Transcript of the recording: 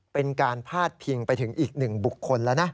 เป็นการพาดพิงไปถึงอีกหนึ่งบุคคลแล้วนะ